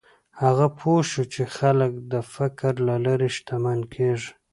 هغه پوه شو چې خلک د فکر له لارې شتمن کېږي.